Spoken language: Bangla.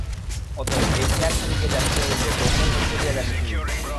অতএব এই চেয়ারখানিকে জানিতে হইলে ব্রহ্মের মধ্য দিয়া জানিতে হইবে।